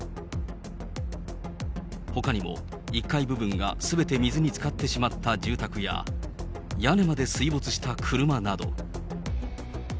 ほかにも、１階部分がすべて水につかってしまった住宅や、屋根まで水没した車など。